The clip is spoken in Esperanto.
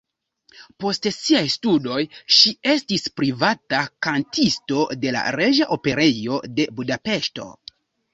Post siaj studoj ŝi estis privata kantisto de la Reĝa Operejo de Budapeŝto.